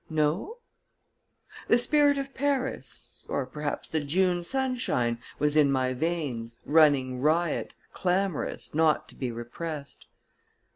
"No?" The spirit of Paris or perhaps the June sunshine was in my veins, running riot, clamorous, not to be repressed.